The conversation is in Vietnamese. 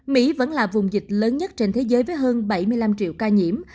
mỹ vẫn là vùng dịch lớn nhất trên thế giới với hơn bảy mươi năm triệu ca nhiễm